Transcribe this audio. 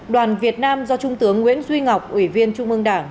đoàn việt nam do trung tướng nguyễn duy ngọc ủy viên trung ương đảng